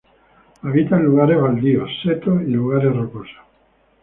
Habita en lugares baldíos, setos y lugares rocosos.